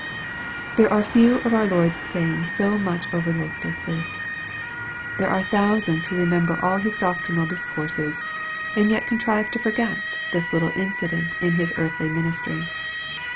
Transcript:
There are few of our Lord's sayings so much over looked as this. There are thousands who remember all His doctrinal discourses, and yet contrive to forget thia little incident in His earthly ministry.